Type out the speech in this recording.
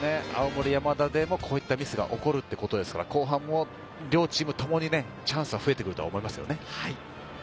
青森山田でも、こういったミスが起きるということですから、後半も両チームともにチャンスが増えてくると思います。